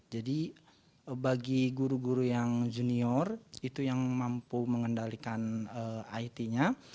jadi bagi guru guru yang junior itu yang mampu mengendalikan it nya